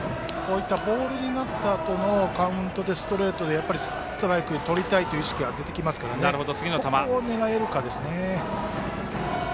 ボールになったあとのカウントでストレートでストライクをとりたいという意識が出てきますからここを狙えるかですね。